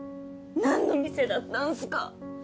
なんの店だったんすか？